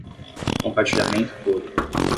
Compartilhamento puro